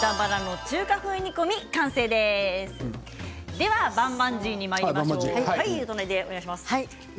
ではバンバンジーにまいりましょう。